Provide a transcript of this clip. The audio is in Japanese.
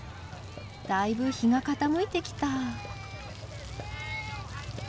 だいぶ日が傾いてきた。